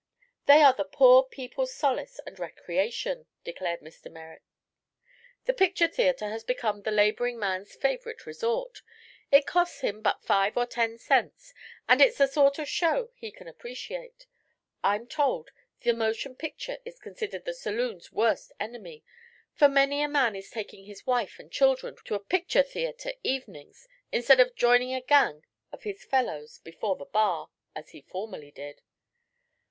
"They are the poor people's solace and recreation," declared Mr. Merrick. "The picture theatre has become the laboring man's favorite resort. It costs him but five or ten cents and it's the sort of show he can appreciate. I'm told the motion picture is considered the saloon's worst enemy, for many a man is taking his wife and children to a picture theatre evenings instead of joining a gang of his fellows before the bar, as he formerly did."